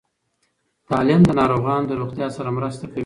تعلیم د ناروغانو د روغتیا سره مرسته کوي.